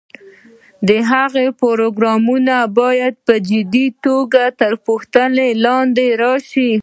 د هغه پروګرامونه باید په جدي توګه تر پوښتنې لاندې راشي.